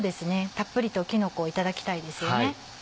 たっぷりときのこをいただきたいですよね。